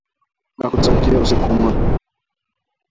Nakutakia usiku mwema.